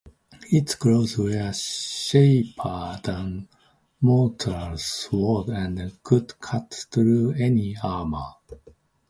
Its claws were sharper than mortals' swords and could cut through any armor.